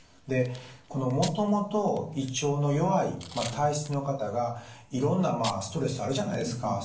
でもともと胃腸の弱い体質の方がいろんなストレスあるじゃないですか。